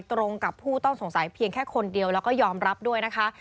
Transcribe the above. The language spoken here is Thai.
ตรงกับผู้ต้องสงสัยเพียงแค่คนเดียวแล้วก็ยอมรับด้วยนะคะ